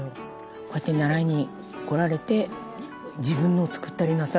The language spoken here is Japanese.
「こうやって習いに来られて自分のを作ったりなさるんだって」